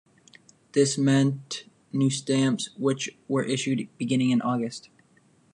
This meant new stamps, which were issued beginning in August.